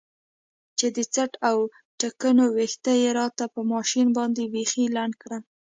چې د څټ او ټېکونو ويښته يې راته په ماشين باندې بيخي لنډ کړل.